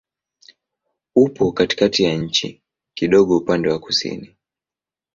Upo katikati ya nchi, kidogo upande wa kusini.